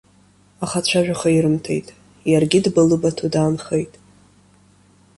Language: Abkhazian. Аха ацәажәаха ирымҭеит, иаргьы дбалыбаҭо даанхеит.